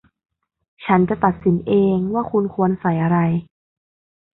ฉันจะตัดสินเองว่าคุณควรใส่อะไร